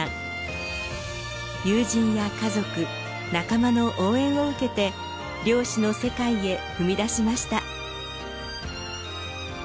友人や家族仲間の応援を受けて漁師の世界へ踏み出しました。